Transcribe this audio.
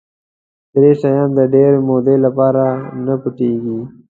درې شیان د ډېرې مودې لپاره نه پټ کېږي.